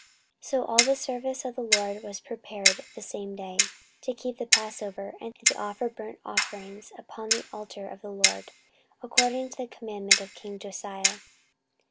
14:035:016 So all the service of the LORD was prepared the same day, to keep the passover, and to offer burnt offerings upon the altar of the LORD, according to the commandment of king Josiah.